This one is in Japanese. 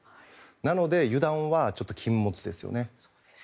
なので、油断は禁物ですよね。